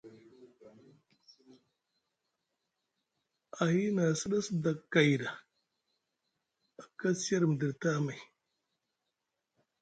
Ahi nʼa sɗa sda kay ɗa, a kasi siyer midiɗi tamay.